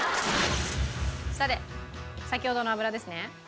さて先ほどの油ですね。